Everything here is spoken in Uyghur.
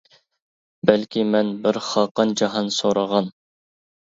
بەلكى مەن بىر خاقان جاھان سورىغان.